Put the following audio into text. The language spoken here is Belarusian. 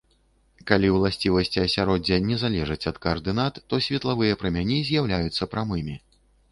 Калі ўласцівасці асяроддзя не залежаць ад каардынат, то светлавыя прамяні з'яўляюцца прамымі.